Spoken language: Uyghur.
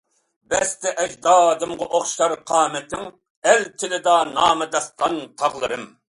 بەستى ئەجدادىمغا ئوخشار قامىتىڭ، ئەل تىلىدا نامى داستان تاغلىرىم.